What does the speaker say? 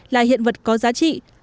là hiện vật có giá trị